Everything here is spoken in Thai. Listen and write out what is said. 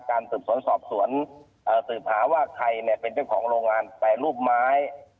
การสืบสวนสอบสวนสืบหาว่าใครเป็นเขาของโลงงานไปรูปไม้